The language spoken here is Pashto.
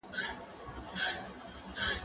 زه اجازه لرم چي ښوونځی ته ولاړ سم؟